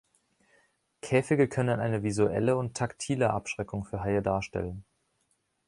Käfige können eine visuelle und taktile Abschreckung für Haie darstellen.